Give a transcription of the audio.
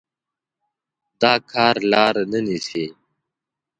دا کار لار نه نيسي.